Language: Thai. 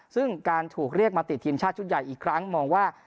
ซึ่งการถูกเรียกมาติดทีมชาติชุดใหญ่อีกครั้งมองว่า